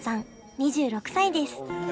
２６歳です。